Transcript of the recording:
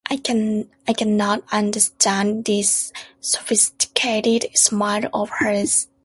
I cannot understand this sophisticated smile of hers.